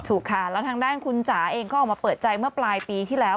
ถูกค่ะแล้วทางด้านคุณจ๋าเองก็ออกมาเปิดใจเมื่อปลายปีที่แล้ว